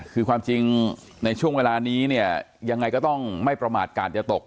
คือความจริงในช่วงเวลานี้เนี่ยยังไงก็ต้องไม่ประมาทกาศจะตก